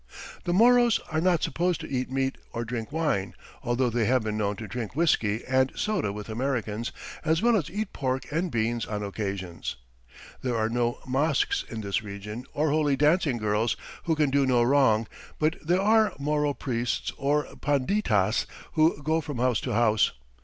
[Illustration: A MORO GRAVE.] The Moros are not supposed to eat meat or drink wine, although they have been known to drink whiskey and soda with Americans, as well as eat pork and beans on occasions. There are no mosques in this region or holy dancing girls (who can do no wrong) but there are Moro priests or panditas who go from house to house.